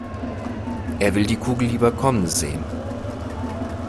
Er will die Kugel lieber kommen sehen.